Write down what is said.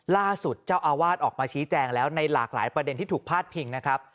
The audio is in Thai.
ล่าสุดเจ้าอาวาสออกมาชี้แจงแล้วในหลากหลายประเด็นที่ถูกพาดพิงนะครับ